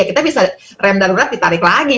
kita bisa rem darurat ditarik lagi